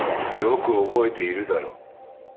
よく覚えているだろ？